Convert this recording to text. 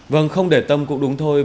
vâng không để tâm cũng đúng thôi